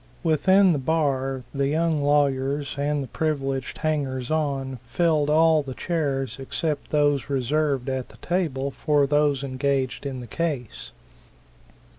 Within the bar the young lawyers and the privileged hangers on filled all the chairs except those reserved at the table for those engaged in the case.